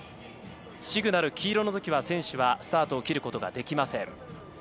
シグナル黄色のときは選手はスタートを切ることができません。